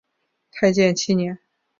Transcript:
太建七年。